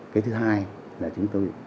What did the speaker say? cái thứ hai là chúng tôi